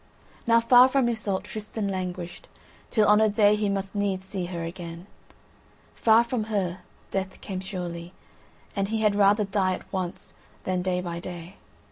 Now far from Iseult, Tristan languished, till on a day he must needs see her again. Far from her, death came surely; and he had rather die at once than day by day.